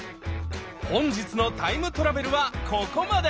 本日のタイムトラベルはここまで。